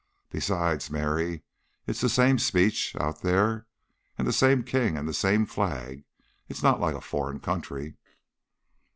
Besides, Mary, it's the same speech out there, and the same king and the same flag; it's not like a foreign country."